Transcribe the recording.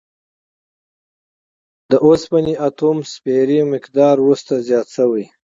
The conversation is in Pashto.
د اوسپنې اتوموسفیري مقدار وروسته زیات شوی.